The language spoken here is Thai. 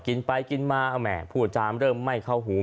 กินไปกินมาเอาแหมผู้อาจารย์เริ่มไม่เข้าหู